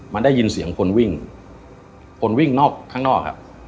มันได้ยินเสียงคนวิ่งคนวิ่งนอกข้างนอกครับ